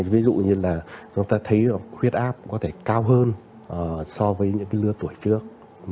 ví dụ như là chúng ta thấy huyết áp có thể cao hơn so với những lứa tuổi trước